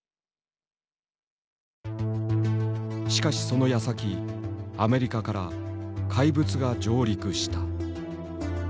しかしそのやさきアメリカから怪物が上陸した。